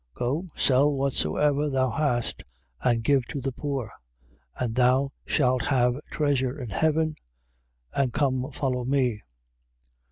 Go, sell whatsoever thou hast and give to the poor: and thou shalt have treasure in heaven. And come, follow me.